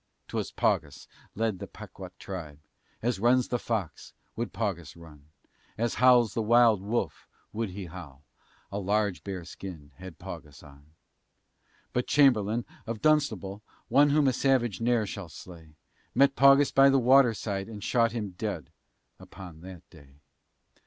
'Twas Paugus led the Pequa'tt tribe; As runs the Fox, would Paugus run; As howls the wild wolf, would he howl, A large bear skin had Paugus on. But Chamberlain, of Dunstable (One whom a savage ne'er shall slay), Met Paugus by the water side, And shot him dead upon that day.